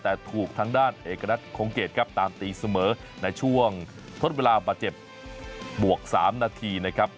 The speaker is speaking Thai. แต่ถูกทางด้านเอกณัฐคงเกตครับตามตีเสมอในช่วงทดเวลาบาดเจ็บบวก๓นาทีนะครับ